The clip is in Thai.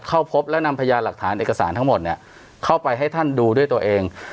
เข้าพบและนำพยานหลักฐานเอกสารทั้งหมดเนี่ยเข้าไปให้ท่านดูด้วยตัวเอง